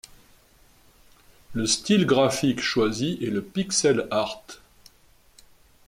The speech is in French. Le style graphique choisi est le Pixel Art.